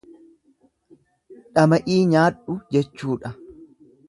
Dhama'ii nyaadhu jechuudha.